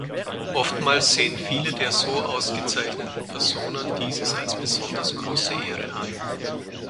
Oftmals sehen viele der so ausgezeichneten Personen dieses als besonders große Ehre an.